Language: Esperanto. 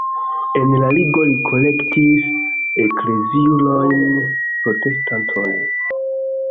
En la ligo li kolektis ekleziulojn-protestantojn.